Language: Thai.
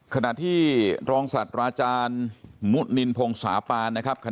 ขณะที่รองศาสตราอาจารย์มุนินพงศาปานนะครับ